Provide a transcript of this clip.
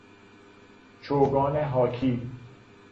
چوگان هاکی